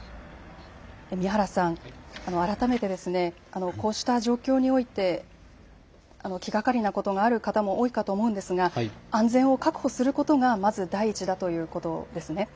宮原さん、改めてこうした状況において気がかりなことがある方も多いかと思うんですが安全を確保することがまず第一だということをですね。